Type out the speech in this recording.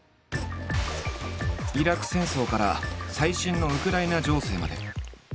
イラク戦争から最新のウクライナ情勢まで。